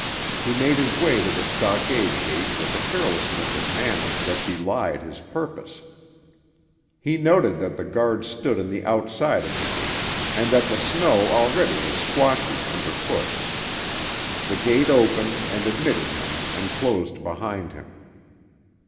He made his way to the stockade gate with a carelessness of manner that belied his purpose. He noted that the guard stood on the outside of the gate and that the snow already was squashy underfoot. The gate opened and admitted him and closed behind him.